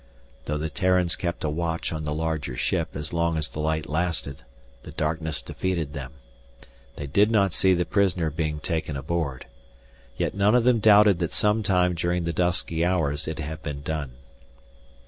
Though the Terrans kept a watch on the larger ship as long as the light lasted, the darkness defeated them. They did not see the prisoner being taken aboard. Yet none of them doubted that sometime during the dusky hours it had been done.